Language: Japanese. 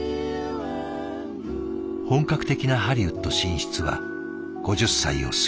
本格的なハリウッド進出は５０歳を過ぎてから。